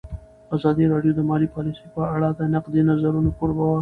ازادي راډیو د مالي پالیسي په اړه د نقدي نظرونو کوربه وه.